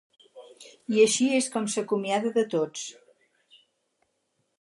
I així és com s'acomiada de tots.